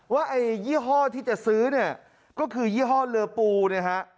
ไอ้ยี่ห้อที่จะซื้อเนี่ยก็คือยี่ห้อเรือปูเนี่ยฮะ